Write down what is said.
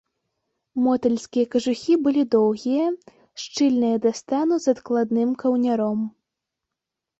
Мотальскія кажухі былі доўгія, шчыльныя да стану з адкладным каўняром.